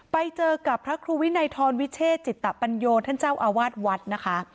ไปเจอกับพระครูวินัยทรวิเชษจิตปัญโยท่านเจ้าอาวาสวัดนะคะ